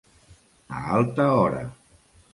A alta hora.